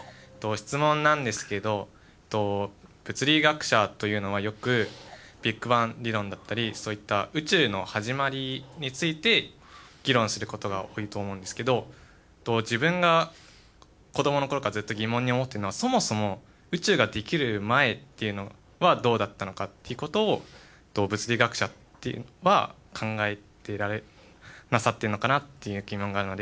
質問なんですけど物理学者というのはよくビッグバン理論だったりそういった宇宙の始まりについて議論することが多いと思うんですけど自分が子どもの頃からずっと疑問に思ってるのはそもそも宇宙ができる前っていうのはどうだったのかっていうことを物理学者っていうのは考えてなさってるのかなという疑問があるので